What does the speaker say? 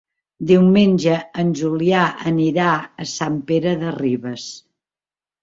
Diumenge en Julià anirà a Sant Pere de Ribes.